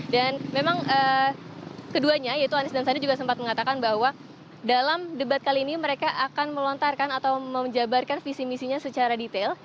dan memang keduanya yaitu anis dan sandi juga sempat mengatakan bahwa dalam debat kali ini mereka akan melontarkan atau menjabarkan visi visinya secara detail